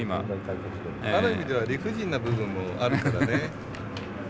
ある意味では理不尽な部分もあるからね。